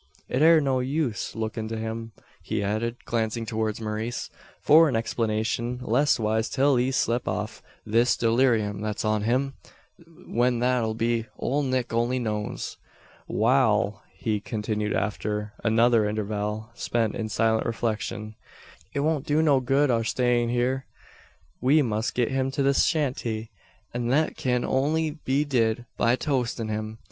"It air no use lookin' to him," he added, glancing towards Maurice, "for an explanation; leastwise till he's slep' off this dullerium thet's on him. When that'll be, ole Nick only knows. "Wal," he continued after another interval spent in silent reflection, "It won't do no good our stayin' hyur. We must git him to the shanty, an that kin only be did by toatin' him.